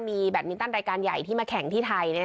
มีแบตมินตันรายการใหญ่ที่มาแข่งที่ไทย